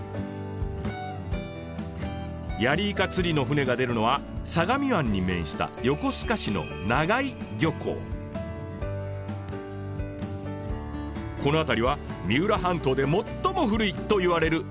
ヤリイカ釣りの船が出るのは相模湾に面したこの辺りは三浦半島で最も古い！といわれる港町。